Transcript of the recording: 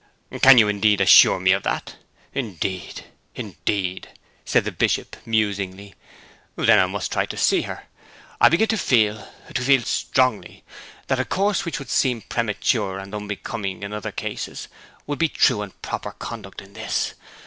'Can you indeed assure me of that? Indeed, indeed!' said the good Bishop musingly. 'Then I must try to see her. I begin to feel to feel strongly that a course which would seem premature and unbecoming in other cases would be true and proper conduct in this.